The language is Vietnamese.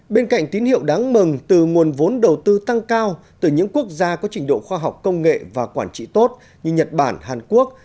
bên cạnh tín hiệu đáng mừng từ nguồn vốn đầu tư tăng cao từ những quốc gia có trình độ khoa học công nghệ và quản trị tốt như nhật bản hàn quốc